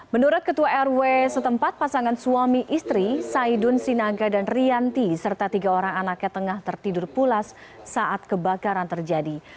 menurut ketua rw setempat pasangan suami istri saidun sinaga dan rianti serta tiga orang anaknya tengah tertidur pulas saat kebakaran terjadi